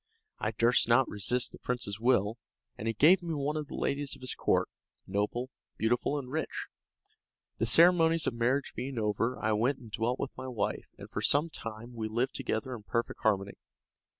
I durst not resist the prince's will, and he gave me one of the ladies of his court, noble, beautiful, and rich. The ceremonies of marriage being over, I went and dwelt with my wife and for some time we lived together in perfect harmony.